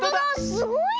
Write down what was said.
すごいね！